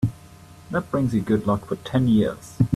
That brings you good luck for ten years.